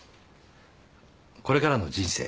これからの人生